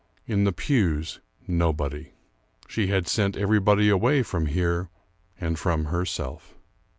In the pews nobody. She had sent everybody away from here and from herself.